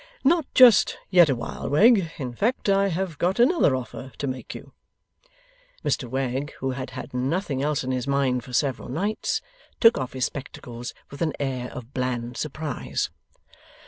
'Not just yet awhile, Wegg. In fact, I have got another offer to make you.' Mr Wegg (who had had nothing else in his mind for several nights) took off his spectacles with an air of bland surprise.